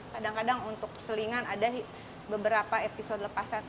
kadang kadang untuk selingan ada beberapa episode lepasan